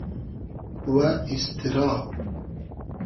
و ایستیرا